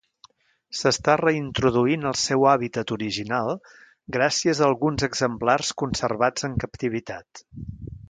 S'està reintroduint al seu hàbitat original gràcies a alguns exemplars conservats en captivitat.